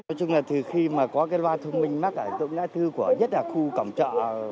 nói chung là từ khi mà có cái loa thông minh mắc ở ngã tư của nhất là khu cổng chợ